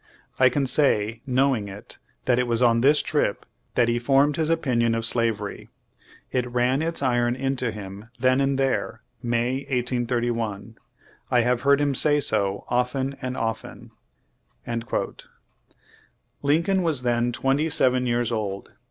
I can say, knowing it, that it was on this trip that he formed his opinion of slavery. It ran its iron into him then and there, May, 1831. I have heard him say so often and often." 2 Lincoln was then twenty seven years old.